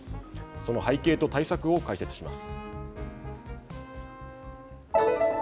その背景と対策を解説します。